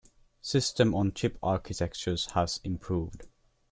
System on chip architectures has improved.